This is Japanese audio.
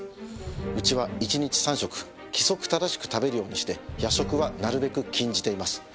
うちは一日３食規則正しく食べるようにして夜食はなるべく禁じています。